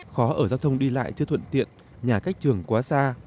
khó ở giao thông đi lại chưa thuận tiện nhà cách trường quá xa